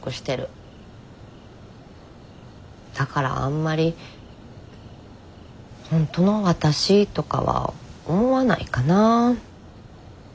だからあんまり本当のわたしとかは思わないかな。